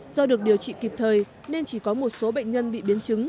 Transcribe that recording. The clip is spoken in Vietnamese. do được điều trị kịp thời nên chỉ có một số bệnh nhân bị biến chứng